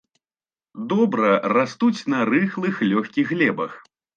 Добра растуць на рыхлых лёгкіх глебах.